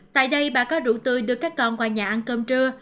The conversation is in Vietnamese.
tại đây bà có đủ tươi đưa các con qua nhà ăn cơm trưa